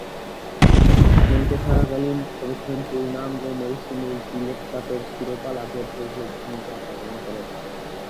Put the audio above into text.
কেন্টে থাকাকালীন প্রথম পূর্ণাঙ্গ মৌসুমে জিলেট কাপের শিরোপা লাভে প্রভূতঃ ভূমিকা পালন করেন।